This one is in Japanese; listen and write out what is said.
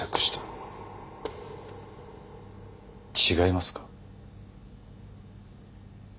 違いますか？